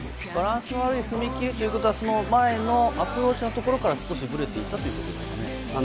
バランスの悪い踏み切りということは、その前のアプローチのところから少しブレていたということですか？